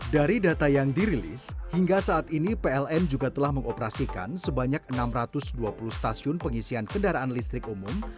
dari data yang dirilis hingga saat ini pln juga telah mengoperasikan sebanyak enam ratus dua puluh stasiun pengisian kendaraan listrik umum